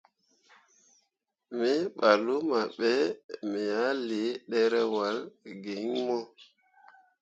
Me ɓah luma be, me ah lii ɗerewol gi iŋ mo.